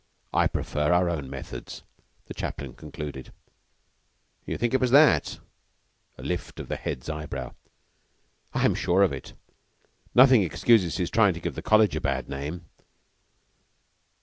I prefer our own methods," the chaplain concluded. "You think it was that?" A lift of the Head's eye brow. "I'm sure of it! And nothing excuses his trying to give the College a bad name."